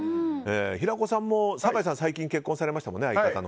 平子さんも相方の酒井さんが最近、結婚されましたよね。